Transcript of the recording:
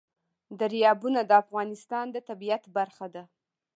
دریابونه د افغانستان د طبیعت برخه ده.